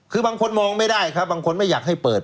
คือบางคนมองไม่ได้ครับบางคนไม่อยากให้เปิด